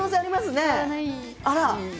あら！